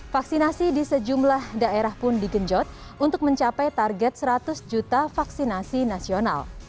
vaksinasi di sejumlah daerah pun digenjot untuk mencapai target seratus juta vaksinasi nasional